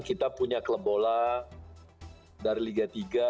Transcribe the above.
kita punya klub bola dari liga tiga